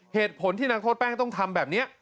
เหตุผลที่นักโทษแป้งต้องทำแบบนี้